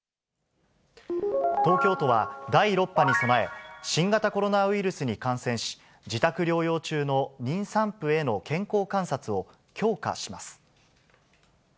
東京都は、第６波に備え、新型コロナウイルスに感染し、自宅療養中の妊産婦への健康観察を強化します。